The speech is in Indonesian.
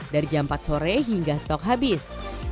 dari jam empat sore hingga stok habis